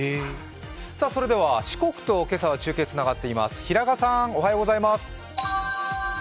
それでは今朝は四国と中継がつながっています。